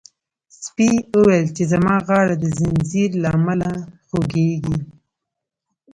سپي وویل چې زما غاړه د زنځیر له امله خوږیږي.